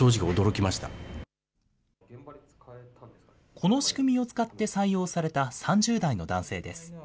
この仕組みを使って採用された３０代の男性です。